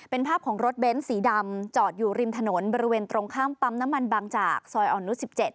เป็นภาพของรถเบ้นสีดำจอดอยู่ริมถนนบริเวณตรงข้ามปั๊มน้ำมันบางจากซอยอ่อนนุษ๑๗